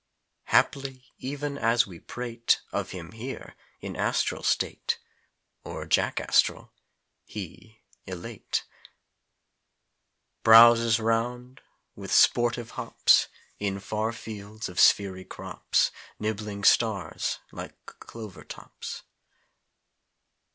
Haply, even as we prate Of him HERE in astral state Or jackastral he, elate, Brouses 'round, with sportive hops In far fields of sphery crops, Nibbling stars like clover tops.